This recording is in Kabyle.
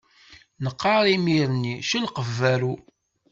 Neqqaṛ imir-nni celqef berru.